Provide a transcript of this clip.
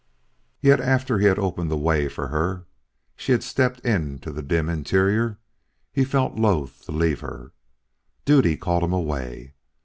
Yet after he had opened the way for her and she had stepped into the dim interior, he felt loth to leave her. Duty called him away.